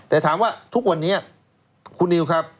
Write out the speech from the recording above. แต่ถามว่าทุกวันนี้คุณนิวครับ